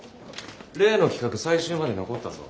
例の企画最終まで残ったぞ。